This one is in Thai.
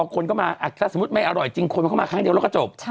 สมมุติไม่อร่อยจริงคนเขามาครั้งเดียวก็จบ